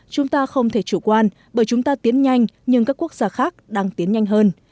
chúng ta không thể chủ quan bởi chúng ta tiến nhanh nhưng các quốc gia khác đang tiến nhanh hơn